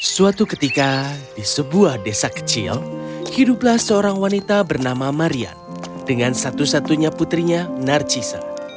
suatu ketika di sebuah desa kecil hiduplah seorang wanita bernama marian dengan satu satunya putrinya narcise